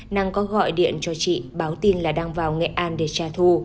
năng có gọi điện cho chị báo tin là đang vào nghệ an để tra thu